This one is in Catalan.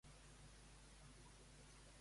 Què li va explicar a Procne un cop va tornar?